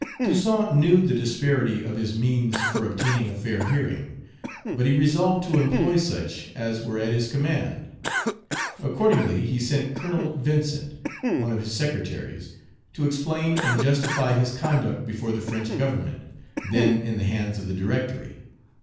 Toussaint knew the disparity of his means for obtaining a fair hearing; but he resolved to employ such as were at his command. Accordingly he sent Colonel Vincent, one of his secretaries, to explain and justify his conduct before the French Government, then in the hands of the Directory.